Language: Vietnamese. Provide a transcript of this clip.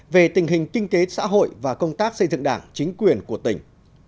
về tình hình kinh tế xã hội và công tác xây dựng đảng chính quyền của tỉnh